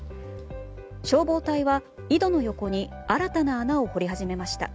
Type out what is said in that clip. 消防隊は井戸の横に新たな穴を掘り始めました。